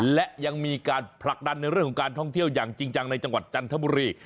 และยังมีการผลักดันในเรื่องของการท่องเที่ยวอย่างจริงจังในจังหวัดจันทบุรี